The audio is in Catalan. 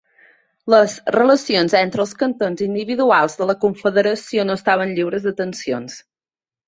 Les relacions entre els cantons individuals de la confederació no estaven lliures de tensions.